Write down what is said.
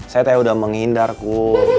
saya tahu udah menghindarku